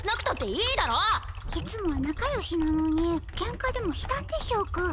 いつもはなかよしなのにケンカでもしたんでしょうか？